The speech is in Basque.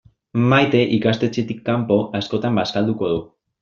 Maite ikastetxetik kanpo askotan bazkalduko du.